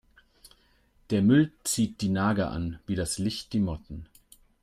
Der Müll zieht die Nager an wie das Licht die Motten.